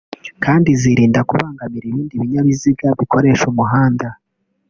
kandi zirinda kubangamira ibindi binyabiziga bikoresha umuhanda